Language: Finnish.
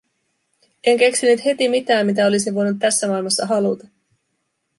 En keksinyt heti mitään, mitä olisin voinut tässä maailmassa haluta.